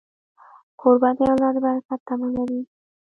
کوربه د الله د برکت تمه لري.